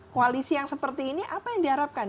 koalisi yang seperti ini apa yang diharapkan